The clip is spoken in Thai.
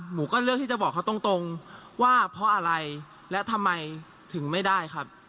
หนูก็เลือกที่จะบอกเขาตรงตรงว่าเพราะอะไรและทำไมถึงไม่ได้ครับ